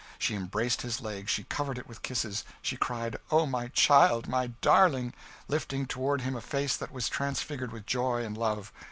She embraced his leg, she covered it with kisses, she cried, "O my child, my darling!" lifting toward him a face that was transfigured with joy and love.